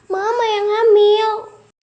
mama yang hamil